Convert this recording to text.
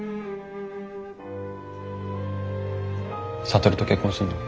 智と結婚するの？